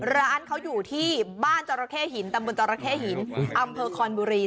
ร้านเขาอยู่ที่บ้านจราเข้หินตำบลจรเข้หินอำเภอคอนบุรี